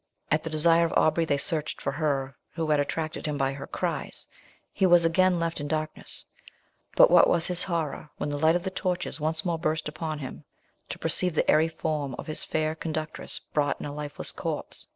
At the desire of Aubrey they searched for her who had attracted him by her cries; he was again left in darkness; but what was his horror, when the light of the torches once more burst upon him, to perceive the airy form of his fair conductress brought in a lifeless corse.